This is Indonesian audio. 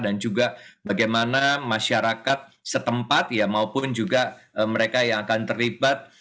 dan juga bagaimana masyarakat setempat maupun juga mereka yang akan terlibat